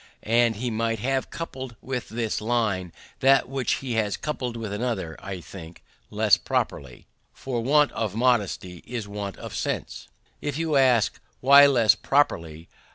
And he might have coupled with this line that which he has coupled with another, I think, less properly, "For want of modesty is want of sense." If you ask, Why less properly?